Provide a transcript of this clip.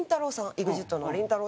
ＥＸＩＴのりんたろー。